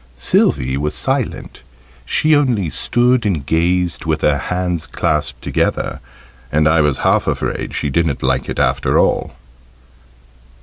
Sylvie: was silent she only stood and gazed with her hands clasped together, and I was half afraid she didn't like it after all.